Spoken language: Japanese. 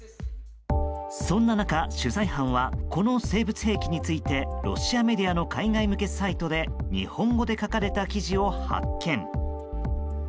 そんな中、取材班はこの生物兵器についてロシアメディアの海外向けサイトで日本語で書かれた記事を発見。